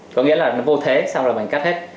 có nghĩa là nó vô thế sao là mình cắt hết